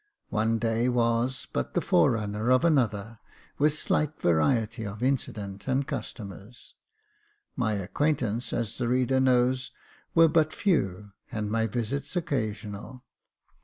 One day was but the fore runner of another, with slight variety of incident and customers. My acquaintance, as the reader knows, were 342 Jacob Faithful but few, and my visits occasional.